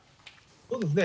そうですね。